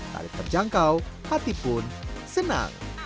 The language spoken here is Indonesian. tarif terjangkau hati pun senang